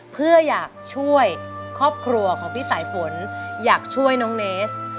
เพื่ออยากช่วยครอบครัวของพี่สายฝนอยากช่วยน้องเนส